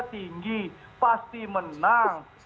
tinggi pasti menang